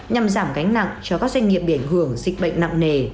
nhằm giảm gánh nặng cho các doanh nghiệp biển hưởng dịch bệnh nặng nề